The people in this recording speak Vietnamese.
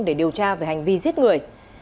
để điều tra về hành vi giết người